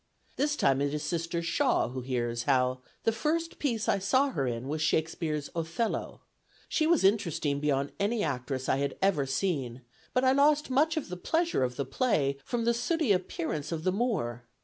This time it is Sister Shaw who hears how "the first piece I saw her in was Shakespeare's 'Othello.' She was interesting beyond any actress I had ever seen; but I lost much of the pleasure of the play, from the sooty appearance of the Moor.